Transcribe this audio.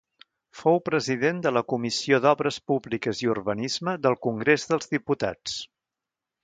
Fou President de la Comissió d'Obres Públiques i Urbanisme del Congrés dels Diputats.